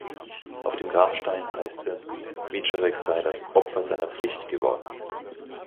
Auf dem Grabstein heißt es, Wieczorek sei „das Opfer seiner Pflicht“ geworden.